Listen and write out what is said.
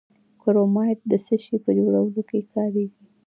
کرومایټ د څه شي په جوړولو کې کاریږي؟